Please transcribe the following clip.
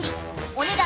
お値段